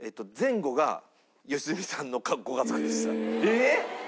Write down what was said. えっ！？